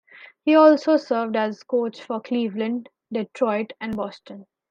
He also served as a coach for Cleveland, Detroit and Boston.